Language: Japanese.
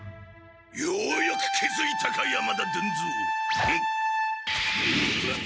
ようやく気づいたか山田伝蔵！